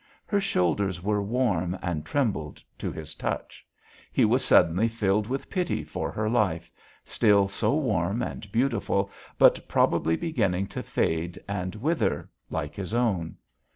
Her shoulders were warm and trembled to his touch. He was suddenly filled with pity for her life, still so warm and beautiful, but probably beginning to fade and wither, like his own.